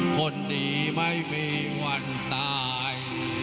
คนดีไม่มีวันตาย